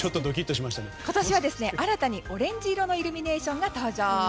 今年は新たにオレンジ色のイルミネーションが登場。